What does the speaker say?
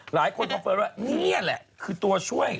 หลายคนพอเปิดว่านี่แหละคือตัวช่วย